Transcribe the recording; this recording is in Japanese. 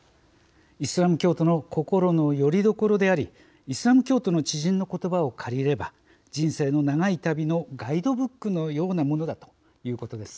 イスラム教徒の心のよりどころでありイスラム教徒の知人の言葉を借りれば人生の長い旅のガイドブックのようなものだということです。